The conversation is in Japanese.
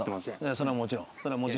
それはもちろん。